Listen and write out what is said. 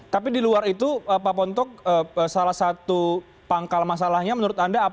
tapi di luar itu pak pontok salah satu pangkal masalahnya menurut anda